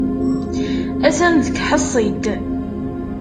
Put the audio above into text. Atan deg tḥeṣṣilt.